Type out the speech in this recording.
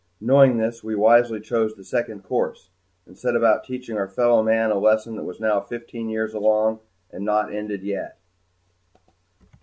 Knowing this, we wisely chose the second course and set about teaching our fellow men a lesson that was now fifteen years along and not ended yet.